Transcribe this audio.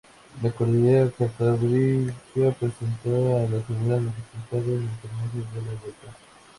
La cordillera Cantábrica presentaba las primeras dificultades montañosas de la Vuelta.